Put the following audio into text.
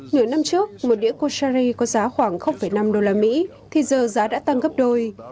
nửa năm trước một đĩa khoshari có giá khoảng năm đô la mỹ thì giờ giá đã tăng gấp đôi